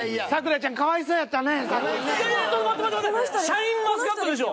シャインマスカットでしょ。